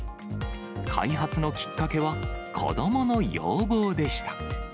開発のきっかけは、子どもの要望でした。